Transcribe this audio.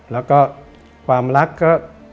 แล้วก็ความรักก็